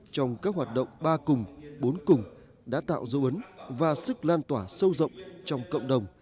trong các hoạt động ba cùng bốn cùng đã tạo dấu ấn và sức lan tỏa sâu rộng trong cộng đồng